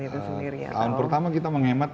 itu sendiri tahun pertama kita menghemat